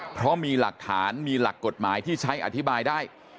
เพราะมีหลักฐานมีหลักกฎหมายที่ใช้อธิบายได้